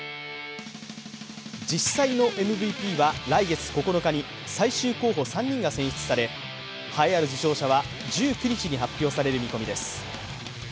実際のＭＶＰは来月９日に最終候補３人が選出され栄えある受賞者は１９日に発表される見込みです。